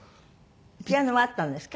ピアノはあったんですか？